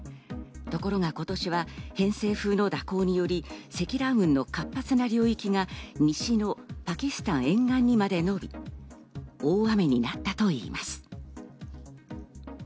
ところが今年は偏西風の蛇行により積乱雲の活発な領域が西のパキスタン沿岸にまでのび大雨になったといいます。